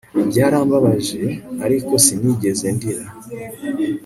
Byarambabaje ariko sinigeze ndira